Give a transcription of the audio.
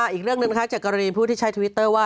อีกเรื่องหนึ่งจากกรณีผู้ที่ใช้ทวิตเตอร์ว่า